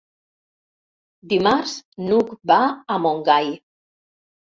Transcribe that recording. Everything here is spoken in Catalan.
Dimarts n'Hug va a Montgai.